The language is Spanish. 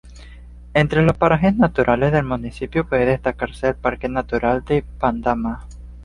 Entre los parajes naturales del municipio puede destacarse el Parque Natural de Bandama.